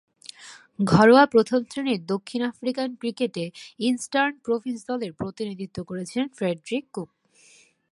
ঘরোয়া প্রথম-শ্রেণীর দক্ষিণ আফ্রিকান ক্রিকেটে ইস্টার্ন প্রভিন্স দলের প্রতিনিধিত্ব করেছিলেন ফ্রেডরিক কুক।